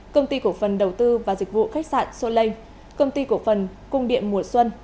công ty cổ phần đầu tư và dịch vụ khách sạn soleik công ty cổ phần cung điện mùa xuân